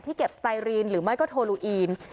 เก็บสไตรีนหรือไม่ก็โทลูอีน